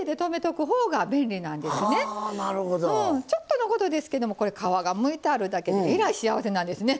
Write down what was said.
ちょっとのことですけどもこれ皮がむいてあるだけでえらい幸せなんですね。